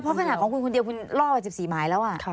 ภาษาของคุณคุณเดียวคุณล่อไป๑๔หมายแล้วอ่ะ